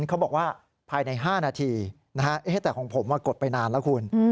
เขาบอกว่าภายใน๕นาทีแต่ของผมกดไปนานแล้วคุณ